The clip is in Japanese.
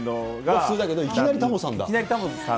普通だけどいきなりタモさん